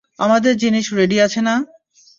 আমাদের জিনিস রেডি আছে না?